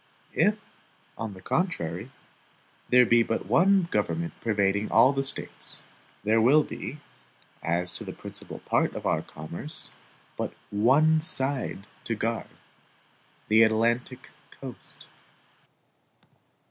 If, on the contrary, there be but one government pervading all the States, there will be, as to the principal part of our commerce, but ONE SIDE to guard the ATLANTIC COAST.